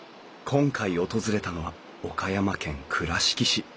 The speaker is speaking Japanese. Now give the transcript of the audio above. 今回訪れたのは岡山県倉敷市。